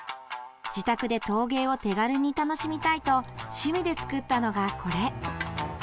自宅で陶芸を手軽に楽しみたいと趣味で作ったのが、これ。